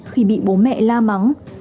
khi bị bố mẹ la mắng